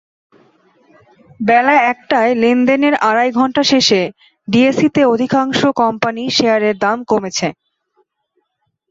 বেলা একটায় লেনদেনের আড়াই ঘণ্টা শেষে ডিএসইতে অধিকাংশ কোম্পানির শেয়ারের দাম কমেছে।